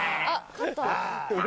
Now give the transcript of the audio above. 勝った？